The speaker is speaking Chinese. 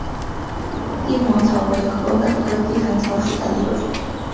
帝皇草为禾本科地毯草属下的一个种。